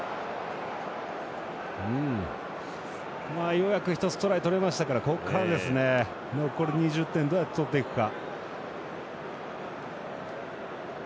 ようやく１つトライ取れましたからここからですね、残り２０点どうやって取っていくか。